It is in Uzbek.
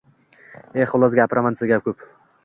Eee, xullas, gapiraman desa, gap ko'p!